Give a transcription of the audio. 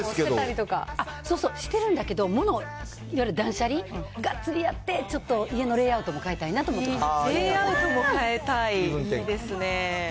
そうそう、してるんだけど、もの、いわゆる断捨離がっつりやって、ちょっと家のレイアウトも変えたいなと思ってます。